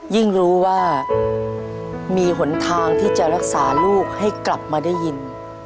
รู้ว่ามีหนทางที่จะรักษาลูกให้กลับมาได้ยิน